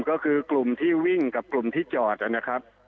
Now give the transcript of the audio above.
ก็คือกลุ่มที่วิ่งกับกลุ่มที่จอดนะครับ